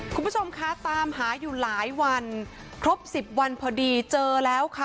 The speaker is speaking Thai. คุณผู้ชมคะตามหาอยู่หลายวันครบ๑๐วันพอดีเจอแล้วค่ะ